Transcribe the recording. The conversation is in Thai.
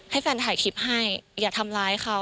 ให้แฟนถ่ายคลิปให้อย่าทำร้ายเขา